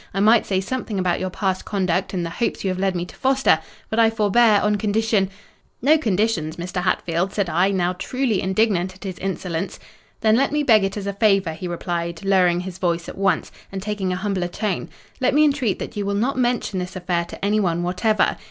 I might say something about your past conduct, and the hopes you have led me to foster, but I forbear, on condition—' "'No conditions, Mr. Hatfield!' said I, now truly indignant at his insolence. "'Then let me beg it as a favour,' he replied, lowering his voice at once, and taking a humbler tone: 'let me entreat that you will not mention this affair to anyone whatever.